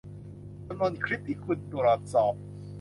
จำนวนคลิปที่คุณตรวจสอบ